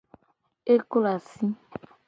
E klo asi.